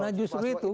nah justru itu